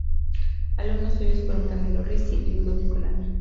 Alumnos suyos fueron Camillo Ricci y Ludovico Lana.